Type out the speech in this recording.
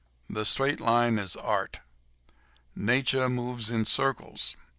The straight line is Art. Nature moves in circles.